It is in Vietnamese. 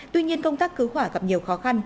tuy nhiên công tác cứu hỏa gặp nhiều khó khăn